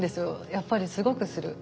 やっぱりすごくする。